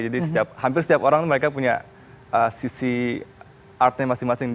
jadi hampir setiap orang mereka punya sisi artnya masing masing